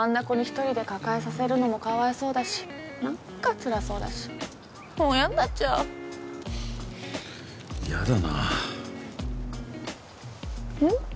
子に一人で抱えさせるのもかわいそうだし何かつらそうだしもう嫌になっちゃう嫌だなうん？